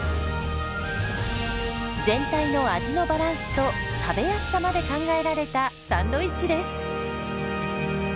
全体の味のバランスと食べやすさまで考えられたサンドイッチです。